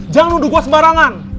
jangan nunduk gue sembarangan